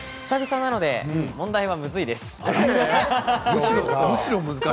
久々なので問題は、むずいです。